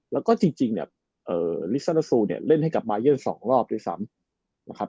แล้วก็จริงลิซาลาซูเล่นให้กับบายอน๒รอบด้วยซ้ำ